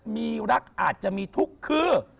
มีรักอาจจะมีทุกข์คือ